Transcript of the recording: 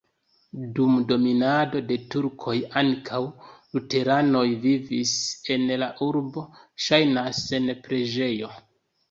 Dum dominado de turkoj ankaŭ luteranoj vivis en la urbo, ŝajnas, sen preĝejo.